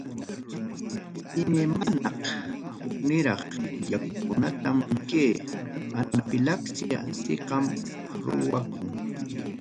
Imaymana, hukniraq yakukunatam kay anafilaxia siqam ruwakun.